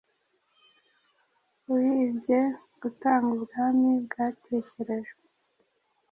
Uibye gutanga Ubwami bwatekerejwe